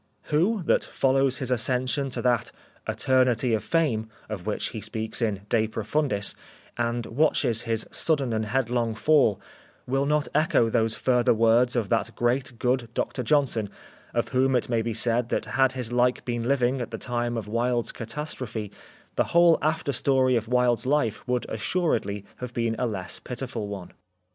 Who, that follows his ascension to that " eternity of fame," of which he speaks in " De Profundis," and watches his sudden and head long fall, will not echo those further words of that great, good Dr Johnson, of whom it may be said that had his like been living, at the time of Wilde's catastrophe, the whole after story of Wilde's life would assuredly have been a less pitiful one.